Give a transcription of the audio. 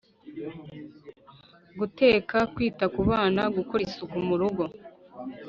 guteka, kwita ku bana, gukora isuku mu rugo